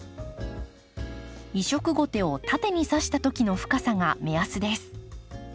移植ゴテを縦にさした時の深さが目安です。